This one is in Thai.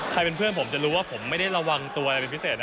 เป็นเพื่อนผมจะรู้ว่าผมไม่ได้ระวังตัวอะไรเป็นพิเศษนะ